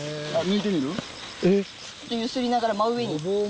揺すりながら真上に。